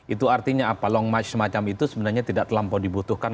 itu artinya apa long march semacam itu sebenarnya tidak terlampau dibutuhkan